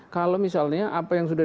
kalau misalnya apa yang sudah